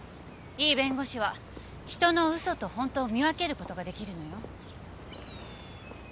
いい弁護士は人の嘘と本当を見分けることができるのよ。